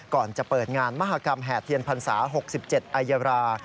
ก่อนจะเปิดงานมหากรรมแห่เทียนพรรษา๖๗อายรา